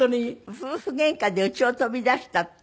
夫婦ゲンカで家を飛び出したって。